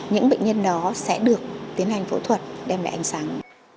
những bệnh nhân đó sẽ được tiến hành phẫu thuật đem lại ánh sáng